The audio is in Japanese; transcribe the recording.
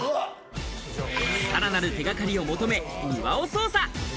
さらなる手掛かりを求め、庭を捜査。